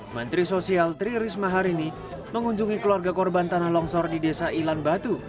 menteri sosial tri risma hari ini mengunjungi keluarga korban tanah longsor di desa ilan batu